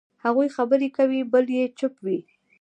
هغوی خبرې کوي، بل یې چوپ وي.